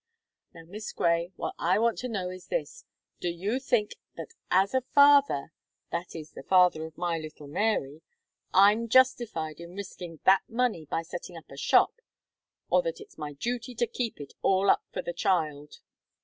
Now, Miss Gray, what I want to know is this: do you think that as a father that is, the father of my little Mary I'm justified in risking that money by setting up a shop, or that it's my duty to keep it all up for the child?"